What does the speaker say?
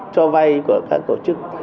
cho vay của các tổ chức